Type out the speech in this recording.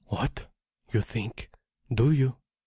"What? You think? Do you?